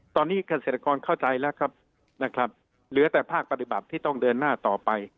ตอนนี้เกษตรกรเข้าใจแล้วครับนะครับเหลือแต่ภาคปฏิบัติที่ต้องเดินหน้าต่อไป